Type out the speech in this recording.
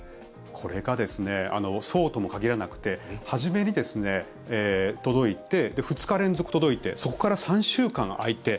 これがそうとも限らなくて初めに届いて、２日連続届いてそこから３週間空いて。